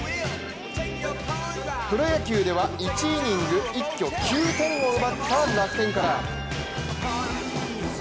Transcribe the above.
プロ野球では１イニング一挙９点を奪った楽天から。